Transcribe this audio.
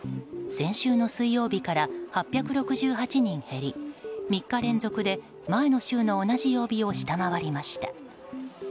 先週の水曜日から８６８人減り３日連続で前の週の同じ曜日を下回りました。